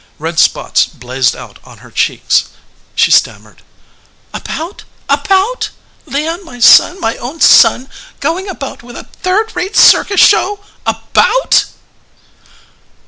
Red spots blazed out on her cheeks. She stammered. "About ? about ? Leon, my son, my own son, going about with a third rate circus show ! About